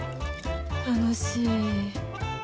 楽しい。